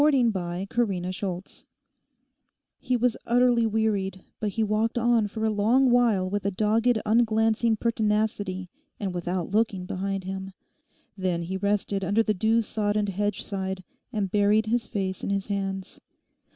CHAPTER TWENTY TWO He was utterly wearied, but he walked on for a long while with a dogged unglancing pertinacity and without looking behind him. Then he rested under the dew sodden hedgeside and buried his face in his hands.